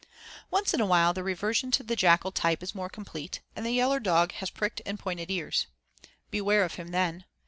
Once in a while the reversion to the jackal type is more complete, and the yaller dog has pricked and pointed ears. Beware of him then.